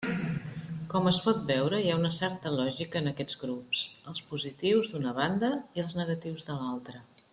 Com es pot veure, hi ha una certa lògica en aquests grups, els positius, d'una banda, i els negatius de l'altra.